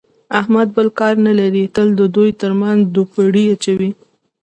احمد بل کار نه لري، تل د دوو ترمنځ دوپړې اچوي.